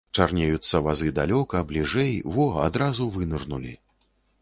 Чарнеюцца вазы далёка, бліжэй, во, адразу вынырнулі.